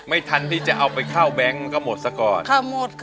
ไม่ทันที่จะเอาไปเข้าแบงค์ก็หมดซะก่อนเข้าหมดค่ะ